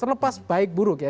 terlepas baik buruk ya